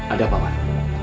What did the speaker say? ada apa wan